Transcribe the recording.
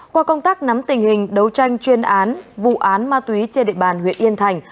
qua công tác nắm tình hình đấu tranh chuyên án vụ án ma túy trên địa bàn huyện yên thành